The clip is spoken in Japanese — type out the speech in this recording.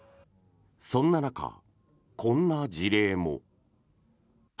そんな中、こんな事例も。